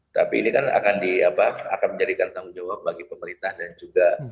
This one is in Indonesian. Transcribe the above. tapi ini kan akan menjadikan tanggung jawab bagi pemerintah dan juga